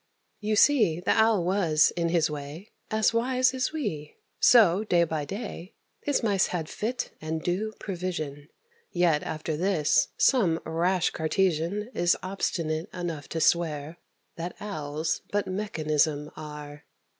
You see the Owl was, in his way, As wise as we; so, day by day, His Mice had fit and due provision. Yet, after this, some rash Cartesian Is obstinate enough to swear That Owls but mechanism are.